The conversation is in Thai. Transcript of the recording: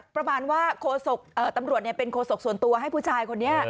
ประมาณว่าตำรวจเป็นโคศกส่วนตัวให้ผู้ชายคนนี้